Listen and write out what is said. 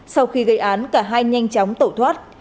sau khi gây án cả hai nhanh chóng tẩu thoát